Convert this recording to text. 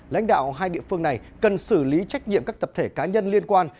lãnh đạo hai địa phương này cần xử lý trách nhiệm các tập thể cá nhân liên quan